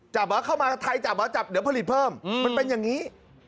จับอ๊ะเข้ามาไถ่จับอ๊ะจับเดี๋ยวผลิตเพิ่มมันเป็นอย่างนี้